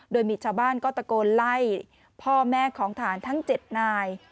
โดยมีชาวบ้านก็ตะโกนไล่พ่อแม่ของทหารทั้ง๗นาย